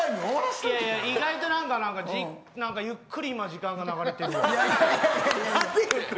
なんか今、意外とゆっくり時間が流れてるわ。